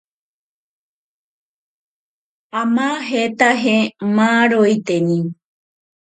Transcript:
Amajetaje maaroiteni.